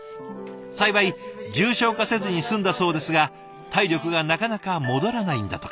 幸い重症化せずに済んだそうですが体力がなかなか戻らないんだとか。